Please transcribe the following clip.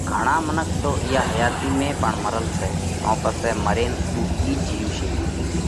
گھڻا منک تو اِيئا حياتِي ۾ پڻ مرل سئہ، تو پسئہ مرينَ اُو ڪِي جيوَشي۔